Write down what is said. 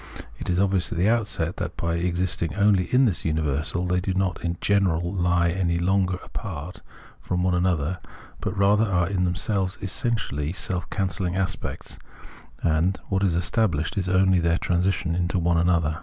It is obvious at the outset that, by existing only in this universal, they do not in general he any longer apart from one another, but rather are in themselves essentially self cancelhng aspects, and what is estabhshed is only their transition into one another.